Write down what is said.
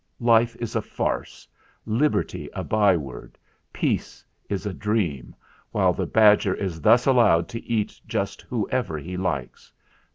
Life is a farce; liberty a byword; peace is a dream, while the badger is thus allowed to eat just whoever he likes.